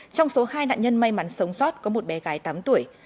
trong số hai nạn nhân may mắn sống sót có một bé gái tám tuổi